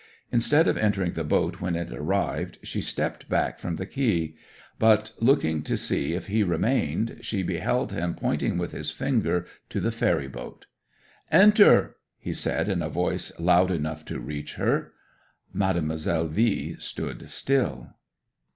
Instead of entering the boat when it arrived she stepped back from the quay; but looking to see if he remained she beheld him pointing with his finger to the ferry boat. '"Enter!" he said, in a voice loud enough to reach her. 'Mademoiselle V stood still.